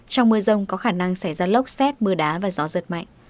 trong mưa rồng có khả năng xảy ra lốc xét mưa đá và gió rật mạnh